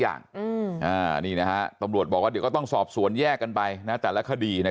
อย่างตำรวจบอกเดี๋ยวก็ต้องสอบส่วนแยกกันไปแต่ละคดีนะ